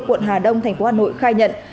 quận hà đông thành phố hà nội khai nhận